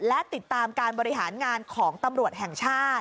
และติดตามการบริหารงานของตำรวจแห่งชาติ